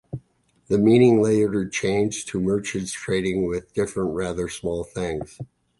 The meaning later changed to "merchants trading with different, rather small things".